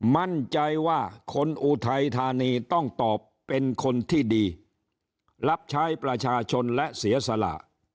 มั่นใจว่าคนอุทัยธานีต้องตอบเป็นคนที่ดีรับใช้ประชาชนและเสียสละ